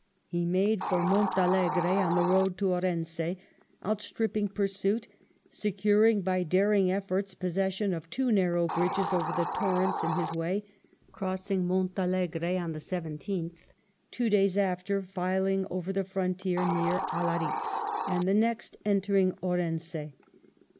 He made for Montalegre on the road to Orense, outstripping pursuit, securing by daring efforts possession of two narrow bridges over the torrents in his way, crossing Montalegre on the 17th, two days after filing over the frontier near Allaritz, and the next entering Orense.